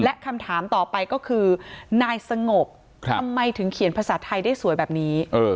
และคำถามต่อไปก็คือนายสงบทำไมถึงเขียนภาษาไทยได้สวยแบบนี้